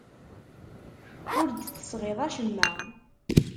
Ur d-tesɣiḍ acemma.